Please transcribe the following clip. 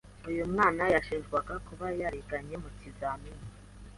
Uyu mwana yashinjwaga kuba yariganye mu kizamini.